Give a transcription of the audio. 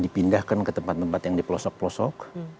dipindahkan ke tempat tempat yang dipelosok pelosok